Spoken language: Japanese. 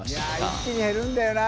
一気に減るんだよな